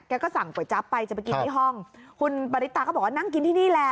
ก็สั่งก๋วยจั๊บไปจะไปกินที่ห้องคุณปริตาก็บอกว่านั่งกินที่นี่แหละ